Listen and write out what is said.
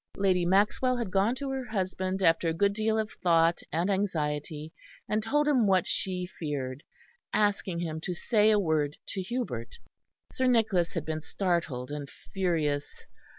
Lady Maxwell had gone to her husband after a good deal of thought and anxiety, and told him what she feared; asking him to say a word to Hubert. Sir Nicholas had been startled and furious.